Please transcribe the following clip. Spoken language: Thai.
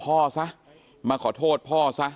เป็นมีดปลายแหลมยาวประมาณ๑ฟุตนะฮะที่ใช้ก่อเหตุ